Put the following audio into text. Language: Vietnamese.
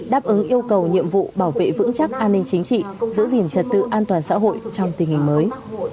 đáp ứng yêu cầu nhiệm vụ bảo vệ vững chắc an ninh chính trị giữ gìn trật tự an toàn xã hội trong tình hình mới